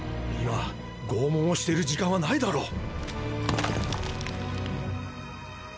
今拷問をしている時間はないだろ！！